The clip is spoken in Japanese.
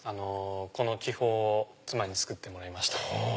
この気泡を妻に作ってもらいました。